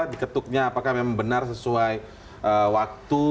diketuknya apakah memang benar sesuai waktu